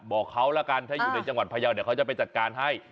บอกเขาแล้วกันถ้าอยู่ในจังหวัดพยาวเดี๋ยวเขาจะไปจัดการให้